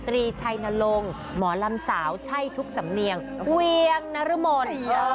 รีชัยนรงค์หมอลำสาวใช่ทุกสำเนียงเวียงนรมน